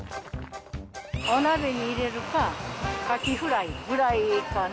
お鍋に入れるか、カキフライぐらいかな。